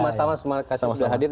mas tama terima kasih sudah hadir